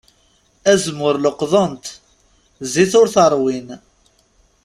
Azemmur leqḍen-t, zzit ur t-ṛwin.